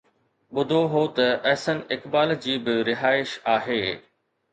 ٻڌو هو ته احسن اقبال جي به رهائش آهي.